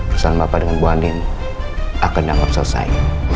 pesan bapak dengan bu anim akan dianggap selesai